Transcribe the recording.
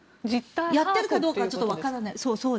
やってるかどうかはちょっとわからない。